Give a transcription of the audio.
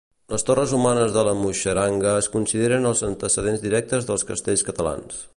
Les torres humanes de la Muixeranga es consideren els antecedents directes dels castells catalans.